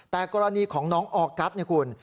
แต่กรณีของน้องออกัสเนี่ยคุณ